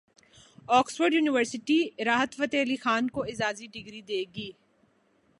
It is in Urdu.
اکسفورڈ یونیورسٹی راحت فتح علی خان کو اعزازی ڈگری دے گی